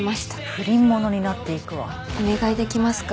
不倫ものになっていくわお願いできますか？